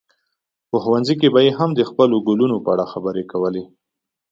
په ښوونځي کې به یې هم د خپلو ګلونو په اړه خبرې کولې.